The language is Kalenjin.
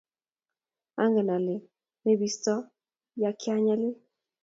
Angen ale mebisto ya kianyalil